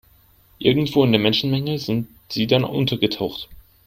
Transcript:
Irgendwo in der Menschenmenge sind sie dann untergetaucht.